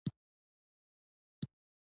سبزیجات باید په تازه توګه بازار ته وړاندې شي.